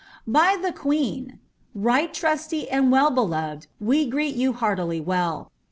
«" By the Queen. Right tmsty and well beloved, we greet you heartily well.